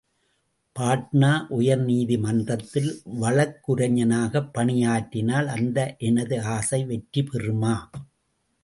பாட்னா உயர்நீதி மன்றத்தில் வழக்குரைஞனாகப் பணியாற்றினால் அந்த எனது ஆசை வெற்றி பெறுமா?